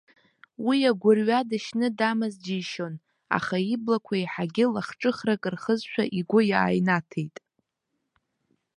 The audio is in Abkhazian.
Уи агәырҩа дышьны дамаз џьишьон, аха иблақәа еиҳагьы лахҿыхрак рхызшәа игәы иааинаҭеит.